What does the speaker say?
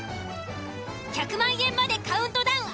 １００万円までカウントダウン